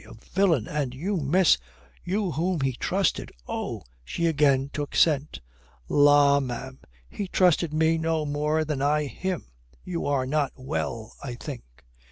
A villain! And you, miss you whom he trusted! Oh!" She again took scent. "La, ma'am, he trusted me no more than I him. You are not well, I think."